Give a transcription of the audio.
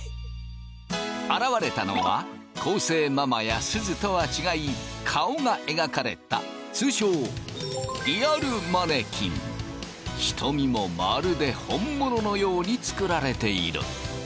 現れたのは昴生ママやすずとは違い顔が描かれた通称瞳もまるで本物のように作られている。